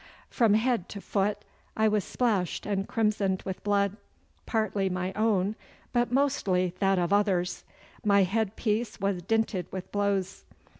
From head to foot I was splashed and crimsoned with blood, partly my own, but mostly that of others. My headpiece was dinted with blows.